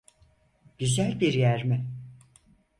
Güzel bir yer mi?